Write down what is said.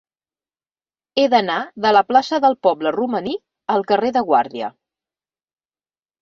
He d'anar de la plaça del Poble Romaní al carrer de Guàrdia.